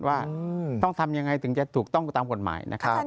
ว่าต้องทำยังไงถึงจะถูกต้องตามกฎหมายนะครับ